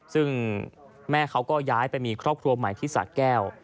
ซึ่งแม่เขาก็ย้ายไปมีครอบครัวใหม่ที่สะแก้ว